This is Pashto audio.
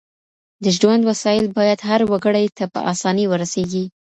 د ژوند وسايل بايد هر وګړي ته په اسانۍ ورسيږي.